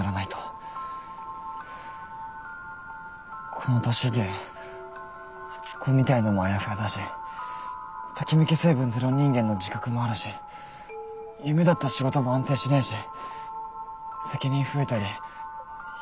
この年で初恋みたいのもあやふやだしトキメキ成分ゼロ人間の自覚もあるし夢だった仕事も安定しないし責任増えたり人の負担になるのも嫌だし。